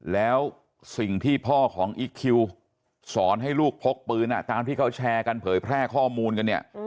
แล้วสิ่งที่พ่อของอิ๊กคิวสอนให้ลูกพกปืนตามที่เขาแชร์กันเผยแพร่ข้อมูลกันเนี่ย